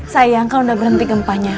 sayang kau udah berhenti gempanya